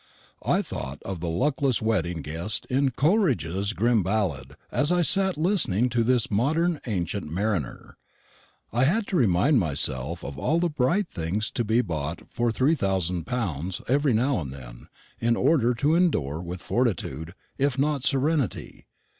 I thought of the luckless wedding guest in Coleridge's grim ballad as I sat listening to this modern ancient mariner. I had to remind myself of all the bright things to be bought for three thousand pounds, every now and then, in order to endure with fortitude, if not serenity.